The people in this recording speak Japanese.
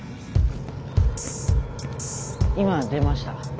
今出ました。